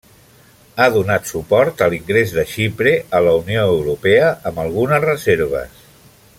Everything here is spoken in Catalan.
Ha donat suport a l'ingrés de Xipre a la Unió Europea amb algunes reserves.